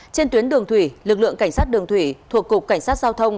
trên tuyến đường thủy lực lượng cảnh sát đường thủy thuộc cục cảnh sát giao thông